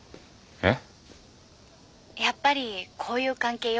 えっ？